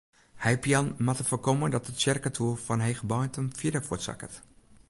Heipeallen moatte foarkomme dat de tsjerketoer fan Hegebeintum fierder fuortsakket.